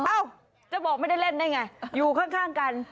เอ้าจะบอกไม่ได้เล่นได้ไงอยู่ข้างกัน